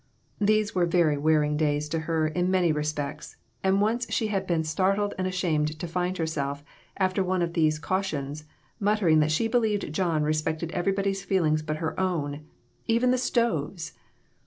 These were very wearing days to her in many respects, and once she had been startled and ashamed to find herself, after one of these cau tions, muttering that she believed John respected everybody's feelings but her own even the stove's